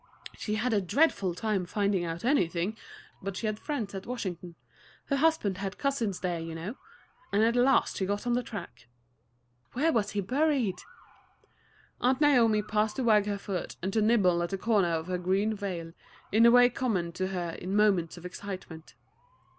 "She had a dreadful time finding out anything; but she had friends at Washington her husband had cousins there, you know and at last she got on the track." "Where was he buried?" Aunt Naomi paused to wag her foot and to nibble at the corner of her green veil in a way common to her in moments of excitement.